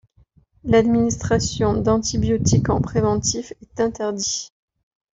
L'administration d'antibiotiques en préventif est interdit.